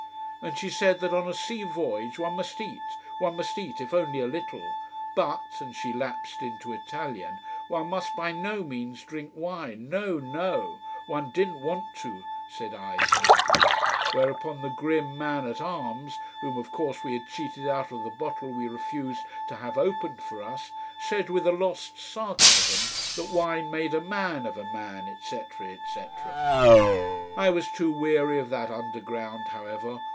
And she said that on a sea voyage one must eat, one must eat, if only a little. But and she lapsed into Italian one must by no means drink wine no no! One didn't want to, said I sadly. Whereupon the grim man at arms, whom, of course, we had cheated out of the bottle we refused to have opened for us, said with a lost sarcasm that wine made a man of a man, etc., etc. I was too weary of that underground, however.